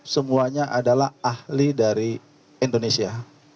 semuanya adalah ahli dari indonesia